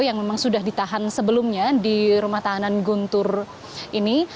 yang memang sudah ditahan sebelumnya di rumah tahanan guntur ini